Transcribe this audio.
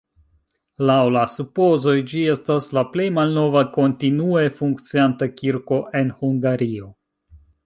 Laŭ la supozoj ĝi estas la plej malnova kontinue funkcianta kirko en Hungario.